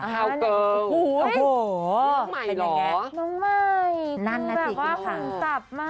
คาวเกอร์โอ้โหเป็นยังไงน้ำใหม่คือแบบว่าหุ่นจับมาก